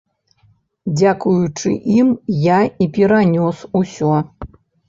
Дзякуючы ім я і перанёс усё.